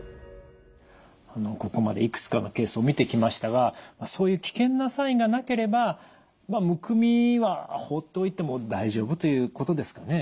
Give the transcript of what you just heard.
ここまでいくつかのケースを見てきましたがそういう危険なサインがなければむくみは放っておいても大丈夫ということですかね。